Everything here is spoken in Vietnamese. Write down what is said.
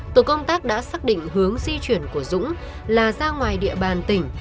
tổ công tác đã xác định hướng di chuyển của dũng là ra ngoài địa bàn tỉnh